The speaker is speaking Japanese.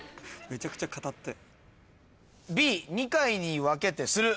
めちゃくちゃ語って。